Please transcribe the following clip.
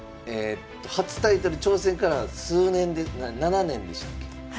初タイトル挑戦から数年で７年でしたっけ？